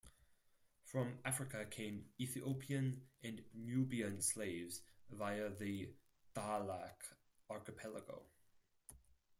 From Africa came Ethiopian and Nubian slaves via the Dahlak Archipelago.